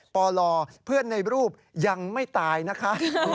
ปลเพื่อนในรูปยังไม่ตายนะคะ